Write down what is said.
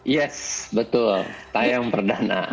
yes betul tayang perdana